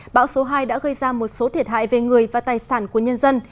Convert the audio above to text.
bão số hai đã gây ra một số thiệt hại về người và tài sản của nhân dân